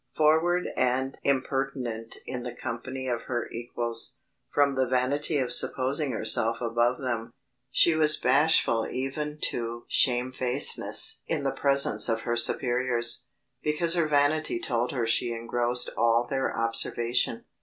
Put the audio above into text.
Forward and impertinent in the company of her equals, from the vanity of supposing herself above them, she was bashful even to shamefacedness in the presence of her superiors, because her vanity told her she engrossed all their observation.